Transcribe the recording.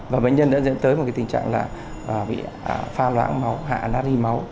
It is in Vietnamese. và bệnh nhân đã dẫn tới một tình trạng là pha loãng máu hạ nari máu